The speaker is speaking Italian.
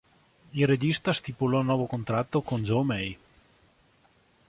Il regista stipulò un nuovo contratto con Joe May.